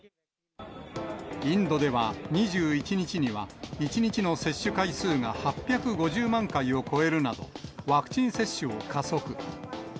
インドでは２１日には、１日の接種回数が８５０万回を超えるなど、ワクチン接種を加速。